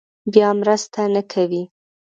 بیا مرسته نه کوي.